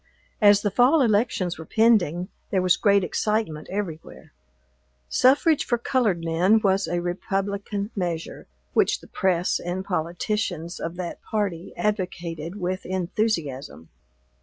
As the fall elections were pending, there was great excitement everywhere. Suffrage for colored men was a Republican measure, which the press and politicians of that party advocated with enthusiasm.